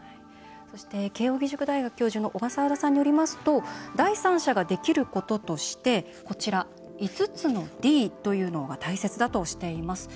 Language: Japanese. そして慶應義塾大学教授の小笠原さんによりますと第三者ができることとしてこちら、５つのＤというのが大切だとしています。